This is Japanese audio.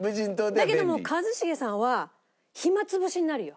だけども一茂さんは暇潰しになるよ。